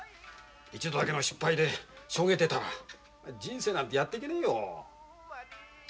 一度だけの失敗でしょげてたら人生なんてやっていけねえよ。